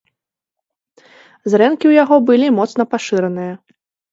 Зрэнкі ў яго былі моцна пашыраныя.